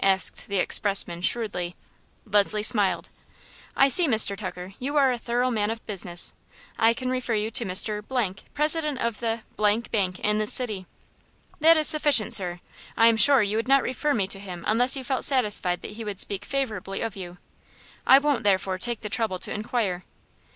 asked the expressman, shrewdly. Leslie smiled. "I see, Mr. Tucker, you are a thorough man of business. I can refer you to Mr. , president of the Bank in this city." "That is sufficient, sir. I am sure you would not refer me to him unless you felt satisfied that he would speak favorably of you. I won't, therefore, take the trouble to inquire.